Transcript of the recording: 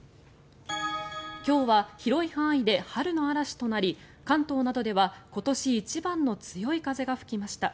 今日は広い範囲で春の嵐となり関東などでは今年一番の強い風が吹きました。